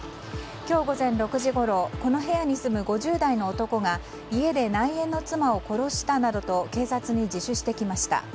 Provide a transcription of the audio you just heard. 今日午前６時ごろこの部屋に住む５０代の男が家で内縁の妻を殺したなどと警察に自首してきました。